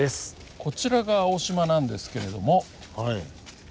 こちらが青島なんですけれども。